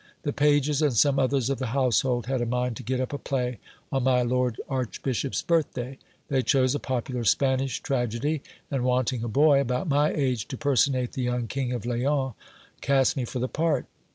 The pages and some others of the household had a mind to get up a play on my lord archbishop's birthday. They chose a popular Spanish tragedy ; and wanting a boy about my age to personate the young King of Leon, cast me for the part.